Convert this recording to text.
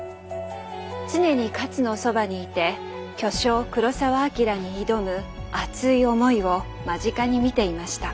常に勝のそばにいて巨匠黒澤明に挑む熱い思いを間近に見ていました。